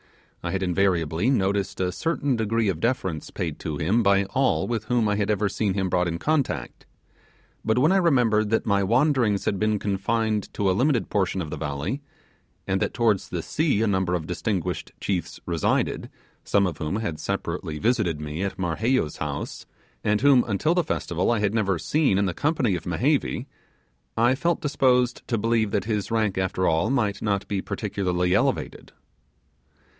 I had invariably noticed a certain degree of deference paid to him by all with whom I had ever seen him brought in contact; but when I remembered that my wanderings had been confined to a limited portion of the valley, and that towards the sea a number of distinguished chiefs resided, some of whom had separately visited me at Marheyo's house, and whom, until the Festival, I had never seen in the company of Mehevi, I felt disposed to believe that his rank after all might not be particularly elevated.